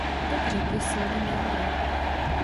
Tok řeky silně meandruje.